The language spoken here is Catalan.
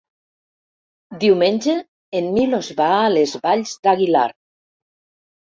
Diumenge en Milos va a les Valls d'Aguilar.